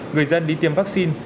người dân đi tiêm vaccine